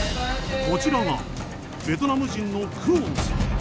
こちらがベトナム人のクオンさん。